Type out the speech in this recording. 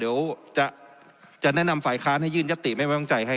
เดี๋ยวจะแนะนำฝ่ายค้านให้ยื่นยติไม่ไว้วางใจให้